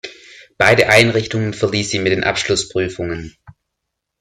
Beide Einrichtungen verließ sie mit den Abschlussprüfungen.